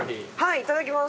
いただきます。